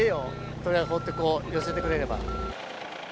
取りあえず掘って寄せてくれれば。